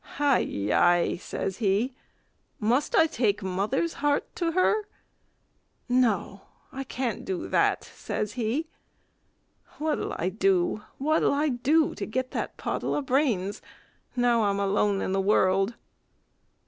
"Hi, yi!" says he, "must I take mother's heart to her?" "No! I can't do that," says he. "What'll I do? what'll I do to get that pottle o' brains, now I'm alone in the world?"